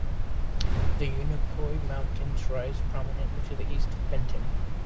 The Unicoi Mountains rise prominently to the east of Benton.